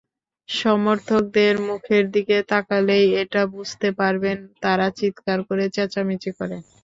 সমর্থকদের মুখের দিকে তাকালেই এটা বুঝতে পারবেন, তারা চিৎকার করে, চেঁচামেচি করে।